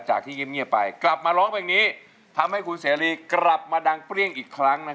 ที่เงียบไปกลับมาร้องเพลงนี้ทำให้คุณเสรีกลับมาดังเปรี้ยงอีกครั้ง